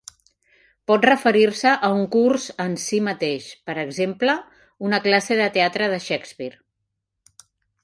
Pot referir-se a un curs en si mateix, per exemple, una classe de teatre de Shakespeare.